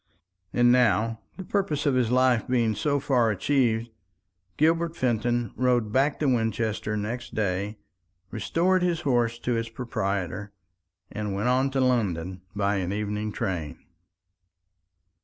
And now, the purpose of his life being so far achieved, Gilbert Fenton rode back to Winchester next day, restored his horse to its proprietor, and went on to London by an evening train.